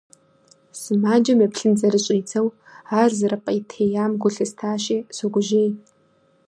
Сымаджэм еплъын зэрыщӀидзэу, ар зэрыпӀейтеям гу лъыстащи, согужьей.